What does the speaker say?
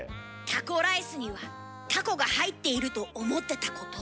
タコライスにはタコが入っていると思ってたこと。